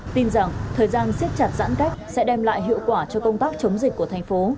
tin rằng thời gian siết chặt giãn cách sẽ đem lại hiệu quả cho công tác chống dịch của thành phố